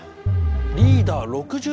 リーダー６３歳？